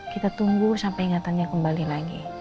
kita tunggu sampai ingatannya kembali lagi